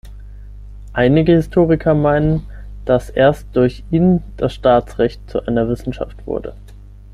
Einige Historiker meinen, dass erst durch ihn das Staatsrecht zu einer Wissenschaft wurde.